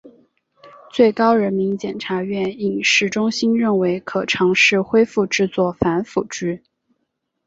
最高人民检察院影视中心认为可尝试恢复制作反腐剧。